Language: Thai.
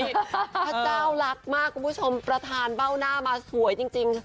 พระเจ้ารักมากคุณผู้ชมประธานเบ้าหน้ามาสวยจริง